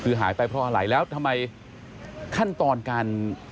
คือหายไปเพราะอะไรแล้วทำไมขั้นตอนการ